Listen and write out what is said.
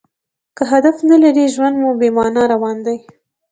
که هدف نه لرى؛ ژوند مو بې مانا روان دئ.